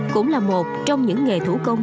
cũng là một trong những nghề thủ công